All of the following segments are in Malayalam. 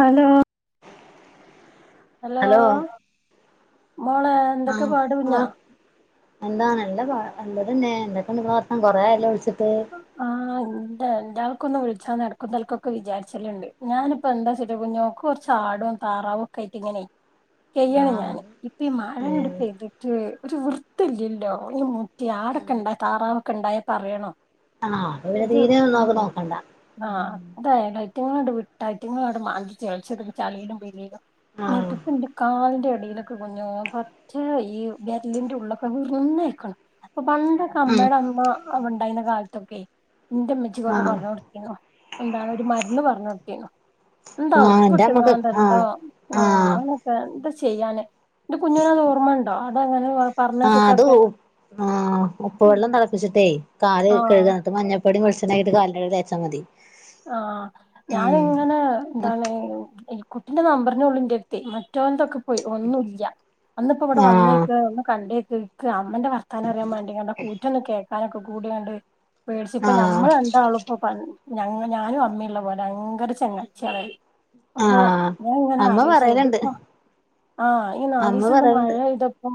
ഹലോ ഹലോ മോളെ എന്തൊക്കെ ആഹ് പാട് കുഞ്ഞാ ആഹ് എന്താ നല്ല പാ നല്ലതെന്നെ എന്തൊക്കെ ങ്ങളെ വർത്താ കൊറെയായല്ലോ വിളിച്ചി ആഹ് [unintelligible] ക്കൊന്ന് വിളിച്ചാ നടക്കുന്ന തലക്കൊക്കെ വിചാരിച്ചലുണ്ട് ഞാനിപ്പൊ എന്താച്ചിട്ടാ ഞങ്ങൾക്ക് കൊറച്ച് ആടും താറാവുക്കെ പെറ്റിങ്ങനെ കൈയാണ് ആഹ് ഞാന് ഇപ്പ ഈ മഴങ്ങട് ഏഹ് പെയ്തിട്ടേ ഒരു വൃത്തില്ലല്ലോ ഈ മുറ്റ ആടൊക്കെണ്ടായി താറാവൊക്കെണ്ടായാ പറയണോ ആഹ് അപ്പൊ പിന്നെ ഇത് തീരെ നോക്ക് നോക്കണ്ട ആ ആ അതയാ റ്റങ്ങളണ്ട് വിട്ടായിറ്റങ്ങളോണ്ട് മാന്തി ചേളിച്ച ചളിയിലും പിളിയിലും ആഹ് എന്നിട്ടിപ്പന്റെ കാലിന്റെ ടിയിലൊക്കെ കുഞ്ഞോ പച്ച [unintelligible] വെരലിന്റെ ഉള്ളൊക്കെ വീറ്ന്നയ്ക്കണ പ്പൊ പണ്ടൊക്കെ ഉം അമ്മയുടെ അമ്മ ഉണ്ടായിരുന്ന കാലത്തൊക്കെ എന്റെ മ്മച്ചിക്കൊക്കെ ആഹ് പറഞ്ഞ് കൊടുത്തിനു എന്താണ് ഒരു മരുന്ന് പറഞ്ഞ് കൊടുത്തിനു എന്താ ആഹ് എന്റെ അമ്മക്ക് ഉപ്പിട്ടെങ്ങാണ്ടെന്തോ ആഹ് ആഹ് അന്നൊക്കെ എന്താ ചെയ്യാന് എന്റെ കുഞ്ഞുനതോർമ്മണ്ടോ അതങ്ങനെ ആ അത് ഉ പറഞ്ഞേട്ടിട്ടൊക്കെ ആ ഉപ്പ് വെള്ളം തളപ്പിച്ചിട്ടേ കാല് ആഹ് കഴുകാ എന്നട്ട് മഞ്ഞ പ്പൊടിയും വെളിച്ചെണ്ണ ആയിട്ട് കാലിന്റടീ തേച്ചാ മതി ആഹ് ഉം ഞാനിങ്ങനെ എന്താണ് കുട്ടിന്റെ നമ്പർ തന്നുള്ളു എന്റടുത്തെ മറ്റോൽതൊക്കെ പോയി ഒന്നുല്ല അന്നിപ്പോ ഇവിടെ ആഹ് വന്നേക്ക് ഒന്ന് കണ്ടേക്ക്‌ എൻക്ക് അമ്മന്റെ വർത്താനം അറിയാൻ മാണ്ടിക്കാണ്ട് ആ കൂറ്റൊന്ന് കേൾക്കാനൊക്കെ കൂടിയാണ്ട് പേടിച്ചപ്പ ആഹ് ഞമ്മള് രണ്ടാളുപ്പൊ പ ഞങ്ങൾ ഞാനും അമ്മയുള്ള പോലെ ഭയങ്കര ചെങ്ങച്ചിയാളേനു അഹോ ആഹ് ഞാൻ ഇങ്ങനെ അമ്മ ആലോചിച്ചത് പറയലുണ്ട് ഇത്പ്പോ ആഹ് ഈ അമ്മ നാലീസണ്ട് പറയലുണ്ട് മഴയ്തപ്പോ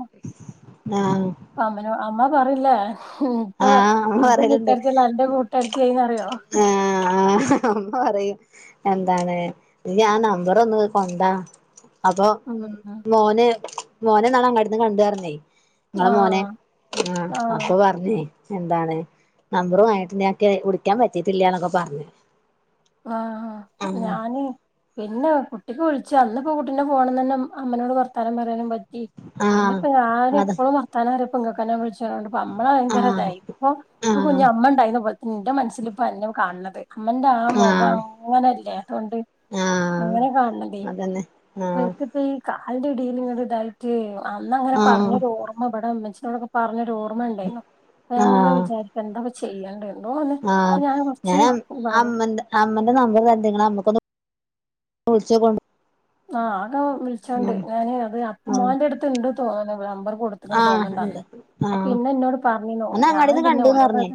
ആഹ് അമ അമ്മ പറയില്ലേ ഇപ്പ ആഹ് അമ്മ ഇന്റെ പറയലുണ്ട് കൂട്ടുകാരത്തിയല്ല അന്റെ കൂട്ടുകാരത്തിയായിന്നറിയോ ആഹ് അമ്മ പറയും എന്താണ് ഇയ്യ് ആ നമ്പറൊന്ന് കൊണ്ടാ അപ്പൊ ഉം ഉം മോന് മോന്ന്നാള് അങ്ങാടിന്ന് കണ്ട് പറിഞ്ഞേ നിങ്ങളെ മോനെ, ആഹ് ആഹ ആഹ് അപ്പൊ പറഞ്ഞേ എന്താണ് നമ്പറ വങ്ങിട്ട് ഞക്ക് വിളിക്കാൻ പറ്റീട്ടില്ലന്നൊക്കെ പറഞ്ഞേ ആഹ ഞാന് പിന്നെ ഒറ്റക്ക വിളിച്ച അന്ന് ഇപ്പൊ കുട്ടിന്റെ ഫോണനി തന്നെ അമ്മനോട് ർത്താനം പറയാനും പറ്റി പിന്നെ ആഹ് ഞാൻ അതെ എപ്പോഴും വർത്താനറിയപ്പം ഇങ്ങനക്കങ്ങനെ വിളിച്ച അമ്മ ഭയങ്കര ആഹ് ഇതായി ഇപ്പൊ ആഹ് കുഞ്ഞ അമ്മ ഉണ്ടതുപോല തെന്റെ മനസ്സിൽ ഇപ്പോ അന്നിം കാണണ്ണേ അമ്മന്റെ ആ മുഖം ആഹ് അങ്ങനല്ലേ അതുകൊണ്ട് ആഹ് അങ്ങനെ കാണണതേ അതന്നെ ആഹ് മപ്പ ഈ കാലിന്റെ ഇടയിൽ ഇങ്ങന ഇതായിട്ട് അന്ന അങ്ങനെ ആഹ് പറഞ്ഞൊരു ഓർമ്മപ്പെടാണ്ട് പറഞ്ഞൊരു ഓർമ്മ ഉണ്ടായിരുന്നു അപ്പം ഞാൻ ഇങ്ങനെ ആഹ് വിചാരിക്കും എന്താപ്പം ചെയ്യേണ്ടന്ന് ആഹ് ഞാൻ അമ്മ അമ്മന്റെ നമ്പർ തരണ്ട് ഇങ്ങള് അമ്മക്കൊ വിളിച്ചോകൊ ആ ആകെ വിളിച്ചോണ്ട് ഞാന് അത് അത്ത മോന്റെ ആ അടുത്ത്ണ്ട് തോന്ന്ണ്ട് നംബർ ആ കൊടുത്തക്കന്ന് ഉണ്ട് തോന്നുന്നുണ്ടന്ന് ആ അപ്പൊ പിന്ന എന്നന്നോട് പറഞ്ഞോ അന്ന് ഞാൻ അങ്ങാടിന്ന് പിന്നെ കണ്ടുന്ന് ഓരോ പറഞ്ഞേ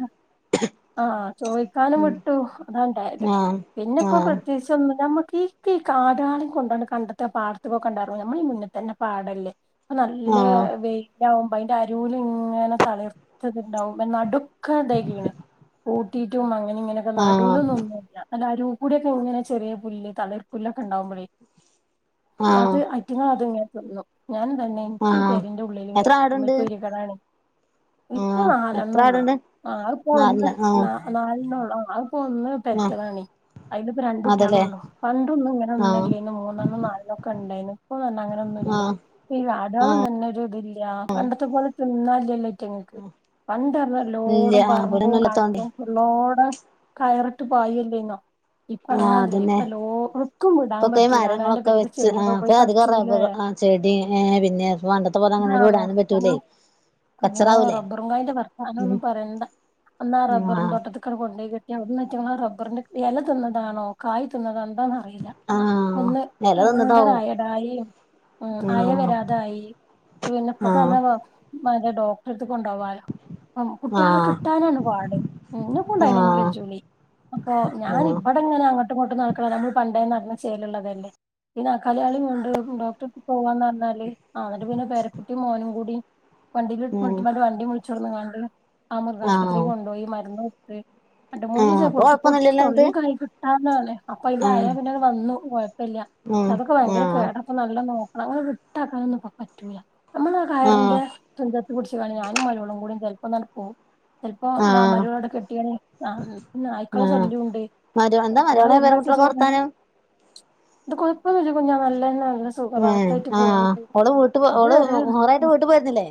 ആഹ ചോദിക്കാനും ഉം വിട്ടു അതാണ്ടായത് ആ പിന്നെ ആ ഇപ്പോ പ്രത്യേകിചൊന്നുല്ല ന ക്ക ഈ കാടുകളം കൊണ്ടോണ്ട് കണ്ടത്ത പാടത്തുക കണ്ടായിരുന്നു നമ്മള ഈ മുന്നെ തന്നെ പാടല്ലേ നല്ല ആ വെയിലാവുമ്പോ അതിന്റെ അരുല് ഇങ്ങനെ തളർത്തത്ണ്ടാവും നടു ഒക്കെ ഇണ്ടായിക്കണ് കൂട്ടിയിട്ടും അങ്ങനെ ഇങ്ങനൊക്കെ ആ നടുലുംന്നുന്നും നല്ല ഒരു കൂടിയൊക്കെങ്ങനെ ചെറിയ പുല്ല് തിളിർ പുല്ല്ക്കെണ്ടാവുമ്പോ ആ അത് അറ്റങ്ങ അത്ങ്ങനെ തിന്നും ഞാനും തന്നെ ആ എനിക്ക് ഈ പരന്റെ ഉള്ളിൽ ഇങ്ങനെ എത്ര ഇരിക്കുമ്പം ഒരു ആടുണ്ട് സ്വരെ കേടാണ് ആ ഇപ്പൊ നാലെണ്ണ എത്ര ഉള്ളു ആടുണ്ട് ആള ഇപ്പോ ഒന്ന് നാലില ആ ന നാലെണ്ണ ഉള്ളൂ ആത്പ്പോ ഒന്ന് ആ പെറ്റതാണി അതില് ഇപ്പോ അതല്ലേ രണ്ടുട്ട്യാലോള്ളൂ പണ്ടൊന്നും ഇങ്ങനെ ആ ഒന്ന മൂന്നനും നാലോക്കെണ്ടായി ആ ഇപ്പങ്ങനെ [inaudible] ആടാളും തന്ന ഒരു ഇതില്ല പണ്ടത്തെ പോലെ തിന്നാലല്ലേ റ്റങ്ങക്ക് പണ്ടഞ്ഞ ഇല്ല എല്ലോടും ആ പറമ്പും ഇവിടൊന്നുംല്ലത്തോണ്ടേ കണ്ടും ഫുള്ളോട കയറിട്ട് പയില്ലേന്നോ ഇപ്പ ആ അങ്ങനല്ലേ ഇപ്പ എല്ലോട്ക്കും വിടാൻ പറ്റ ങ്ങളൊക്കെ വെച്ച് ആ അപ്പ അധികം റബ ചെടി പിന്നെ പണ്ടത്തെ പോലെ അങ്ങനെണ്ട് ഇതാണോ വിടാനും ഓ പറ്റൂല്ലേ കുഞ്ഞോ റബ്ബറും കായിന്റെ വർത്താനം ഉം ഒന്നും പറയണ്ട എന്നാ ആ റബറും തോട്ടത്തികണ്ട് കൊണ്ട [inaudible] അവിടന്ന് ആയിറ്റ റബറിന്റെ ഇല തിന്നതാണോ കായ് തിന്നതാണോ എന്താന്നന്ന് അറിയില്ല ആ ഒന്ന് എല തിന്നിട്ടാവും അങ്കടായി എടയിൻ ആഹ് ആയവരാതായി പിന്നെ ഇപ്പൊ ആഹ് തന്നെ പറഞ്ഞെ ഡോക്ടറെടുത്ത് കൊണ്ടുവാന ആ കുട്ടികളെ ആഹ് കിട്ടാനാണ് പാട് ഇനോ കൊണ്ട് അയിനൊന്നും ആഹ് കയൂലെ അപ്പൊ ഞാൻ ആഹ് ഇവിടെ എങ്ങനെ അങ്ങോട്ടുംങ്ങോട്ടും നടക്കണ നമ്മൾ പണ്ടേ ചെയലുള്ളതല്ലേ പിന്നെ ഈ നാക്കളെലിം കൊണ്ട് ഡോക്ടർക്ക് പോവാന്ന് പറഞ്ഞാല് ആ ഇന്നട്ട് പിന്നെ പേരക്കുട്ടിയ മോനും കൂടി വണ്ട വണ്ടി വിളിച്ചോണ്ടാന്നക്കാണ്ട് ആ ആഹ് മൃഗാശുപത്രിയിൽ കൊണ്ടുപോയി മരുന്ന് കൊടുത്‌ രണ്ട മൂന്ന് ദിവസ അപ്പൊ കൊടുത്ത കൊടുത്ത് കൊഴപ്പൊന്നുല്ലല്ലോ എന്നിട്ട് തൊള്ളിക്കായി കിട്ടാന്നാണേ അപ്പൊ ഇതായാ പിന്നെ വന്നു കുഴപ്പമില്ല പ അതൊക്കെ ഭയങ്കര കേടക്ക നല്ല നോ അങ്ങെ വിട്ടാക്കാനൊന്നും ഇപ്പം പറ്റൂല്ല നമ്മൾ ആ കയറിന്റെ തുഞ്ച ത്ത് പുടിച്ച് കാണ്ട് ഞാനും മരോളും കൂടി ചെലപ്പണ്ട് പോവും ചെലപ്പോ മരോളോടെ കെട്ടിയാണ് പിന്ന നായ്ക്കള ശല്യണ്ട് എന്താ [unintelligible] മരോളെ പേരക്കുട്ടികളൊക്കെ ഇങ്ങനെ വർത്താനം ഇത് കൊഴപ്പൊന്ന കുഞ്ഞ നല്ലതന്നെ നല സുഖ ഉം റഹത്തായിട്ട് ആഹ് പോണ്ട് ഓള് വീട്ട് ഇത് ഓള് വേറെ ഹൊറായിട്ട് വീട്ട് പോയിരുന്നില്ലേ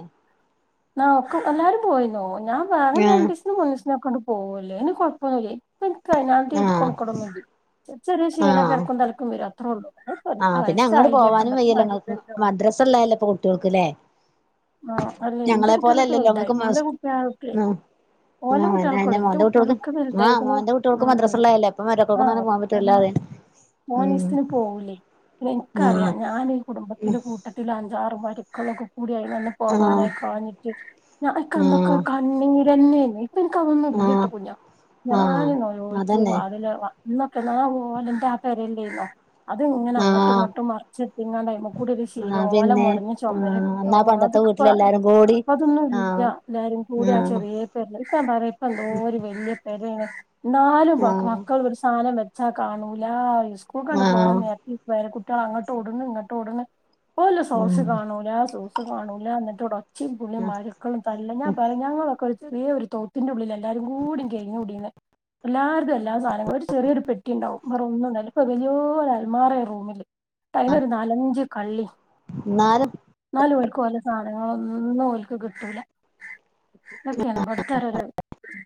നക്കെ എല്ലാരും പോയിന്നോ ഞാൻ വാഗന രണ്ട ആഹ് ദിവസന്ന് മുന്നി സി ഇെ കൊണ്ട് പോവല്ലേ ഇനി കു കൊഴപ്പൊന്നുമില്ല. ഇപ്പ എനി അതിനി ആഹ് കൊണകട് ഒനുല. ക്ഷീണം ആഹ് എടക്കും തലകും വരും അത്രയേ ഉള്ളൂ അതൊക്കെ ആഹ് പിന്നെ അങ്ങോട്ട് വയസ്സായില്ലേ പോവാനും പണ്ടത്തെ വയ്യല്ലോ ഇ ങ്ങൾക്ക്. മാരില്ലല്ലോ മദ്രസല്ലല്ലോ ഇപ്പൊ കുട്ടികൾക്ക്ല്ലേ? ആ അല്ല എന്റെ ഞങ്ങളെ പോലെ കുട്ടികളൊക്കെ അല്ലല്ലോ വലുതായി ങ്ങക്ക് ഓലെ കുട്ടികൾക്ക് ആ ഓലെ ആോന്റെ കുട്ടികൾക്കൊള്ളൂ എന്റെ മോന്റെ ക കുട്ടികൾക്ക് കുട്ടികളൊക്കെ ആ വലുതായിക്ക്ണു മന്റെ കുട്ടികൾക്ക് ഉം മദ്രാസല്ലായല്ല ഇപ്പൊ മരകൾക്ക് കോനും പോകൻ പറ്റല്ലോ അന് മോനീസ്ത്തിന് പോകൂല്ലേ? ഇൻക്കറിയാ ആഹ് ഞാൻ ഈ കുടുംബത്തിലെ കൂട്ടത്തിൽ അഞ്ചാറ് മരുക്കളൊക്കെ കൂടി. ആഹ് പോവാനയിക്കാഞ്ഞിട്ട് ഞ ന്ക്ക് അന്നൊക്ക ആഹ് കണ്ണീരന്നെന് എനിക്കതൊന്നും ആഹ് ഇല്ലട്ടാ കുഞ്ഞ ഞാൻ ആഹ് നോലോൽച്ച് അതന്നെ വാതിൽ വ ഇന്നൊക്കെ നാ ഓലന്റെ ആ പേരലെല്ലെര്ന്ന? അത് ഇങ്ങനെ അങ്ങോട്ടും ആഹ് ഇങ്ങോട്ടും മറച്ച് ഇട്ട്കാണ്ട് അയ്മകൂടെ ഒരു ആഹ് ശിലോല മൊടഞ് ചൊമര് അ ല്ല എല്ലാരും കൂ അതൊന്നുല്യ എല്ലാരുകൂടി ആ ആഹ് ചെറിയ പേരില്ല നക്കെന്താറിയോ ഇപ്പ എന്തോരു വലിയ. രെണ് നാലും മക്ക് ആഹ് മക്കൾ ഒരു സാധനം വെച്ചാൽ കാണൂല ഇ സ്കൂൾ കണ്ടു പോണ ആഹ് നേര്ത്ത് പേരകുട്ട്യാളെ അങ്ങോട്ടുട്ണ് ഇങ്ങട്ടുട്ണ്. ഓല സോസ് ഉം കാണൂല സുസ് കാണൂല എന്നിട്ട്ട ച്ചിം പുള്ളീം മാര്യക്കളും തല്ല് ഞാ പറയും ങ്ങളൊക്കൊരു. ഈ ഒരു തൊയ്ത്തിന്റുള്ളിൽ എല്ലാരും കൂടി കഴിഞ് കുടിന്. എല്ലാർതും എല്ലാ സാധനങ്ങളും ഒരു ചെറിയൊരു പെട്ടിണ്ടാവും വേറൊന്നുണ്ടാവൂല ഇപ്പൊ വെല്യൊരു അൽമാറൊരു റൂമില്. അയ്നൊരു നാലഞ്ച് കള്ളീം. ന്നാലും. ലും ഓൽക്കൊലെ സാധനങ്ങള്ളൊന്നും ഒൽക്ക് കിട്ടൂല. ഇതക്കെണ് ഇബട്തോരോരൊ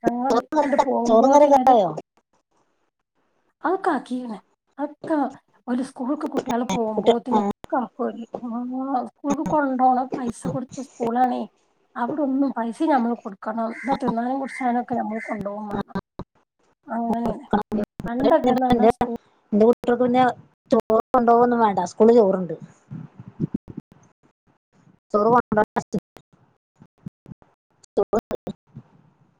ഞങ്ങളക്കങ്ങട്ട് ചോറും കറിയൊക്കെ പൊമ്പോത്തിന് ഒര് ആയോ ആ ക്കാകീം ണ് ആക്ക. ഓല് സ്കൂൾക്ക് കുട്ടിയാൾ കുട്ടി പോമ്പോത്തിന് ഒക്കാകും ഓല് ആ സ്കൂൾക്ക് കൊണ്ടോണം. പൈസ കൊടുത്ത സ്കൂളാണെ. അവിടൊന്നും പൈസ്സിം നമ്മൾ കൊടുക്കണം ന്നാ തിന്നാണേലും കുടിച്ചണെലും ഒക്കെ നമ്മൾ കൊണ്ടവുമാണം. അങ്ങനന്നെ പണ്ടൊക്കെന്നറഞ്ഞ സ്കൂ ട്ട്യാക്ക് പിന്നെ ചോർ കൊണ്ടാവൊന്നും മാണ്ട സ്കൂൾ ചോർണ്ട്. ചോറ് കൊണ്ട [unintelligible] [unintelligible]